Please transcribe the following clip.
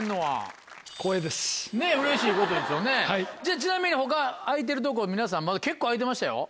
ちなみに他空いてるとこ皆さんまだ結構空いてましたよ。